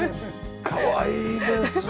かわいいですね。